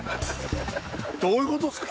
どういうことですか？